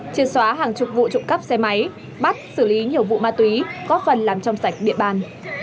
trên xóa hàng chục vụ trộm cắp xe máy bắt xử lý nhiều vụ ma túy góp phần làm trong sạch địa bàn